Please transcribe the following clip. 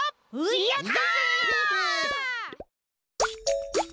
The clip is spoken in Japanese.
やった！